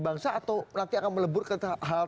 bangsa atau nanti akan melebur ke hal